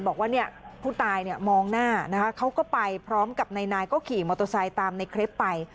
บอกว่าเนี่ยผู้ตายเนี่ยมองหน้านะคะเขาก็ไปพร้อมกับนายก็ขี่มอเตอร์ไซค์ตามในคลิปไป